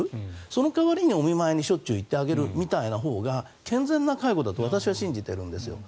その代わりにお見舞いにしょっちゅう行ってあげるというほうが健全な介護だと私は信じているんです。